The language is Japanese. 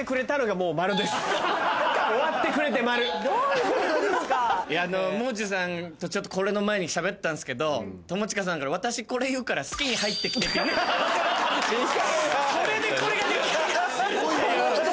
「もう中」さんとちょっとこれの前にしゃべったんすけど友近さんから「私これ言うから」。それでこれが出来上がるっていう。